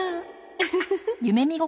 ウフフフ。